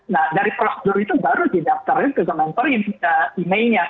nah dari prosedur itu baru didaftarkan ke kementerian emailnya